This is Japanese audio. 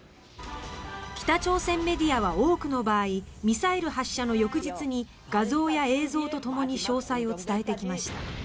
北朝鮮メディアは多くの場合ミサイル発射の翌日に画像や映像とともに詳細を伝えてきました。